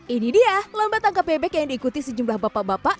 ini dia lomba tangkap bebek yang diikuti sejumlah bapak bapak